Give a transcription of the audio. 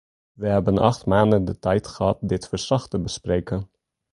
We hebben acht maanden de tijd gehad dit verslag te bespreken.